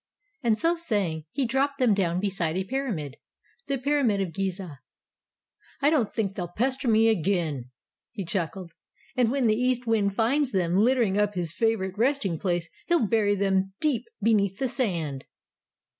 And so saying, he dropped them down beside a pyramid the Pyramid of Gizeh. "I don't think they'll pester me again," he chuckled. "And when the East Wind finds them littering up his favourite resting place he'll bury them deep beneath the sand!"